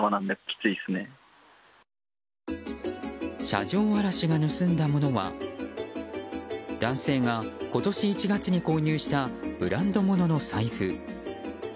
車上荒らしが盗んだものは男性が今年１月に購入したブランド物の財布。